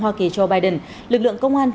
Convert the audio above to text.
hoa kỳ joe biden lực lượng công an